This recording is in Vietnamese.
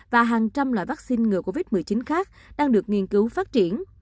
và hàng trăm loại vắc xin ngừa covid một mươi chín khác đang được nghiên cứu phát triển